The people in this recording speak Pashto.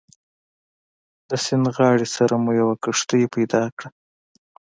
د سیند غاړې سره مو یوه کښتۍ پیدا کړه.